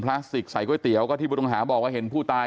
สติใส่ก๋วยเตี๋ยก็ที่ผู้ต้องหาบอกว่าเห็นผู้ตาย